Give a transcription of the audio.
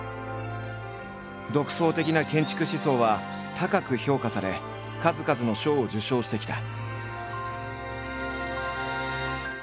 独創的な建築思想は高く評価され数々の賞を受賞してきた。